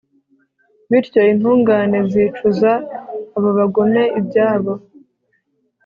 bityo intungane zicuza abo bagome ibyabo